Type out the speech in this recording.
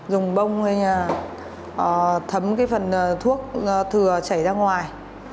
dùng bông thấm cái phần thuốc thừa chảy ra ngoài